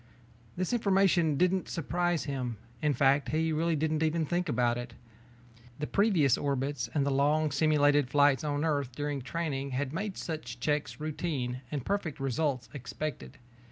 This information didn't surprise him, in fact, he really didn't even think about it. The previous orbits and the long simulated flights on Earth during training had made such checks routine and perfect results expected.